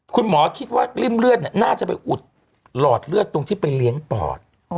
คุณหมอคิดว่าริ่มเลือดน่าจะไปอุดหลอดเลือดตรงที่ไปเลี้ยงปอด